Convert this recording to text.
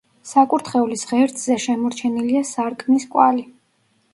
საკურთხევლის ღერძზე შემორჩენილია სარკმლის კვალი.